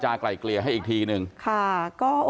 จะไม่เคลียร์กันได้ง่ายนะครับ